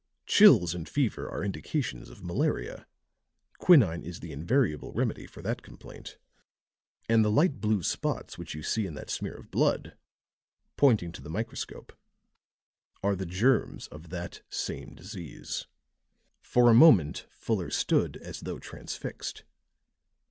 "Chills and fever are indications of malaria quinine is the invariable remedy for that complaint. And the light blue spots which you see in that smear of blood," pointing to the microscope, "are the germs of that same disease." For a moment Fuller stood as though transfixed.